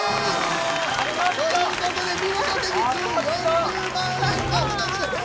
当たった！という事で見事的中４０万円獲得です！